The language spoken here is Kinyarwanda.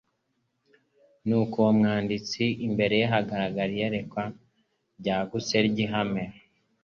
Nuko uwo mwanditsi imbere ye hagaragara iyerekwa ryagutse ry'ihame